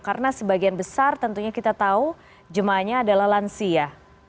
karena sebagian besar tentunya kita tahu jemaahnya adalah lansi ya